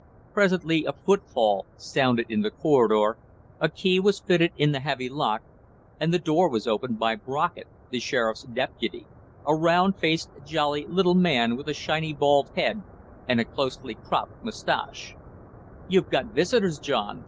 Presently a footfall sounded in the corridor, a key was fitted in the heavy lock, and the door was opened by Brockett, the sheriff's deputy, a round faced, jolly, little man with a shiny bald head and a closely cropped gray mustache. "You've got visitors, John!"